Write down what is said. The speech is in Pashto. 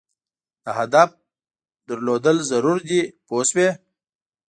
د هدف لرل ضرور دي پوه شوې!.